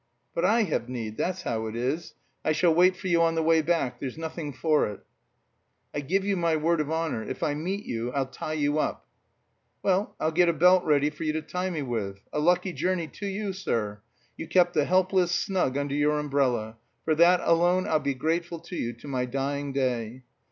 "But I have need, that's how it is! I shall wait for you on the way back. There's nothing for it." "I give you my word of honour if I meet you I'll tie you up." "Well, I'll get a belt ready for you to tie me with. A lucky journey to you, sir. You kept the helpless snug under your umbrella. For that alone I'll be grateful to you to my dying day."